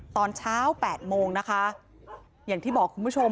ตอนเช้าแปดโมงนะคะอย่างที่บอกคุณผู้ชม